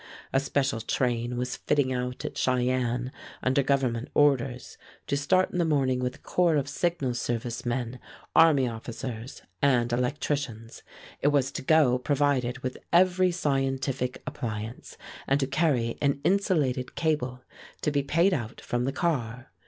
A special train was fitting out at Cheyenne under Government orders to start in the morning with a corps of Signal Service men, army officers, and electricians. It was to go provided with every scientific appliance, and to carry an insulated cable to be paid out from the car.